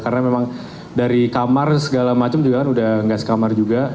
karena memang dari kamar segala macam juga kan udah enggak sekamar juga